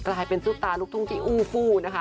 กลายเป็นซุปตาลุกทุ่งที่อูฟูนะคะ